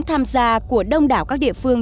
tham gia của đông đảo các địa phương